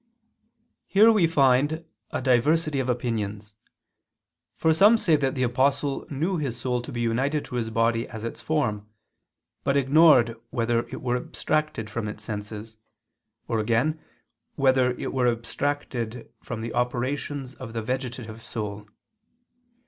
Here we find a diversity of opinions. For some say that the Apostle knew his soul to be united to his body as its form, but ignored whether it were abstracted from its senses, or again whether it were abstracted from the operations of the vegetative soul.